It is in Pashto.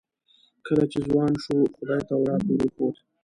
کله چې ځوان شو خدای تورات ور وښود.